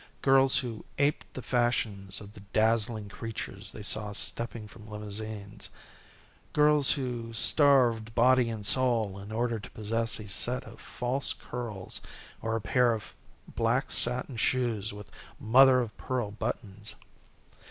Girls who aped the fashions of the dazzling creatures they saw stepping from limousines. Girls who starved body and soul in order to possess a set of false curls, or a pair of black satin shoes with mother o' pearl buttons.